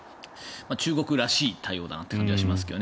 中国らしい対応だなという感じがしますけどね。